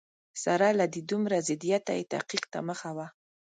سره له دې دومره ضدیته یې تحقیق ته مخه وه.